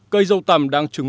cây dâu tằm đang chứng minh